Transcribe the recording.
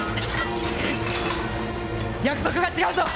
約束が違うぞ！